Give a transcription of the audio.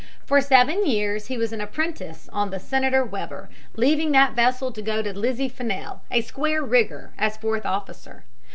For seven years he was an apprentice on the Senator Weber, leaving that vessel to go to the Lizzie Fennell, a square rigger, as fourth officer.